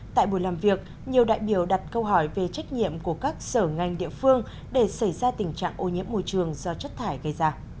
tại buổi làm việc nhiều đại biểu đặt câu hỏi về trách nhiệm của các sở ngành địa phương để xảy ra tình trạng ô nhiễm môi trường do chất thải gây ra